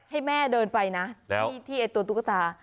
ให้แม่เดินไปนะที่ตัวตุ๊กตา